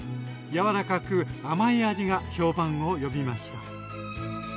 柔らかく甘い味が評判を呼びました。